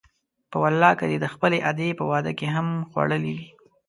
په والله که دې د خپلې ادې په واده کې هم خوړلي وي.